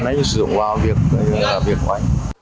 còn ấy sử dụng vào việc quả